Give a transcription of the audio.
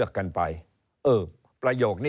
เริ่มตั้งแต่หาเสียงสมัครลง